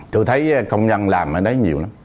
tôi thấy công nhân làm ở đấy nhiều lắm